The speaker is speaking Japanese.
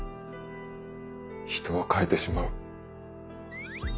人を変えてしまう。